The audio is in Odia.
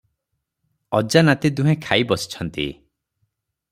ଅଜା ନାତି ଦୁହେଁ ଖାଇ ବସିଛନ୍ତି।